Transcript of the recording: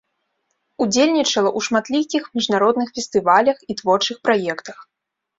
Удзельнічала ў шматлікіх міжнародных фестывалях і творчых праектах.